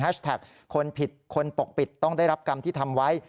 คนผิดคนปกปิดต้องได้รับกรรมที่ทำไว้